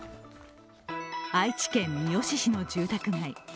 愛知県みよし市の住宅街。